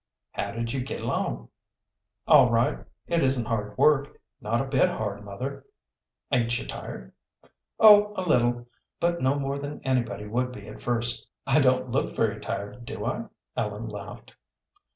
"How did you get along?" "All right. It isn't hard work. Not a bit hard, mother." "Ain't you tired?" "Oh, a little. But no more than anybody would be at first. I don't look very tired, do I?" Ellen laughed.